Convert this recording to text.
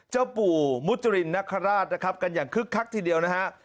เจ้าปู่มุจรินนคราชนะครับกันอย่างคึกคักทีเดียวนะฮะ